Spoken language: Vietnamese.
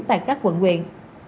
tại các quận nguyện